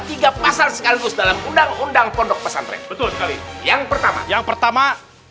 tiga pasal sekaligus dalam undang undang kondok pesantren yang pertama yang pertama